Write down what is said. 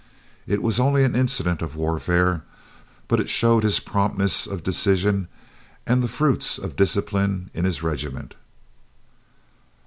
It was only an incident of warfare, but it showed his promptness of decision, and the fruits of discipline in his regiment.